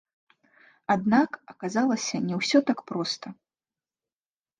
Аднак, аказалася, не ўсё так проста.